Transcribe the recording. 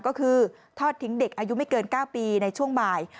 ก็คือทอดทิ้งเด็กอายุไม่เกิน๙ปีในช่วงบ่าย